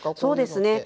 そうですね。